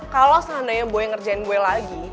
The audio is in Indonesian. kalau seandainya boy ngerjain gue lagi